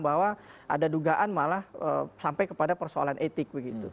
bahwa ada dugaan malah sampai kepada persoalan etik begitu